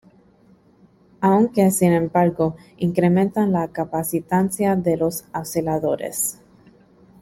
Aunque, sin embargo, incrementan la capacitancia de los aisladores.